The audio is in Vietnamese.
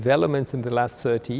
và họ sẽ không mất cơ hội này